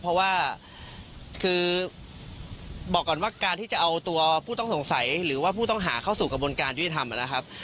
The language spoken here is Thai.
เพราะว่าการที่จะเอาผู้ต้องสงสัยหรือผู้ต้องหาเข้าสู่กับการวิทัล